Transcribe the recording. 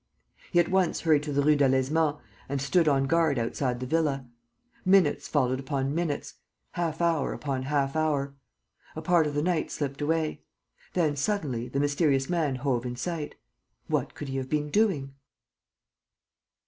He at once hurried to the Rue Delaizement and stood on guard outside the villa. Minutes followed upon minutes, half hour upon half hour. A part of the night slipped away. Then, suddenly, the mysterious man hove in sight. What could he have been doing?